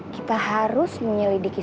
kita harus menyelidiki sosok